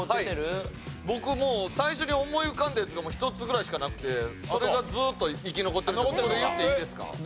僕もう最初に思い浮かんだやつが１つぐらいしかなくてそれがずっと生き残ってるんでそれ言っていいですか？